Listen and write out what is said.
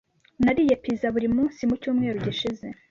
Nariye pizza buri munsi mucyumweru gishize.